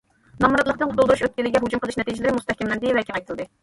نامراتلىقتىن قۇتۇلدۇرۇش ئۆتكىلىگە ھۇجۇم قىلىش نەتىجىلىرى مۇستەھكەملەندى ۋە كېڭەيتىلدى.